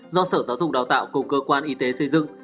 do sở giáo dục đào tạo cùng cơ quan y tế xây dựng